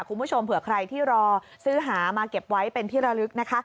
คุณผู้ชมเผื่อใครที่รอซื้อหามาเก็บไว้เป็นที่ระลึกนะคะ